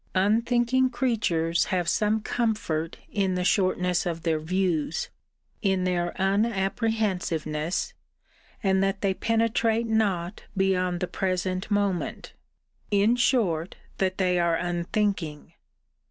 Unthinking creatures have some comfort in the shortness of their views; in their unapprehensiveness; and that they penetrate not beyond the present moment: in short that they are unthinking!